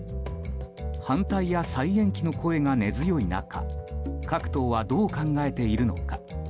反対や再延期の声が根強い中各党はどう考えているのか。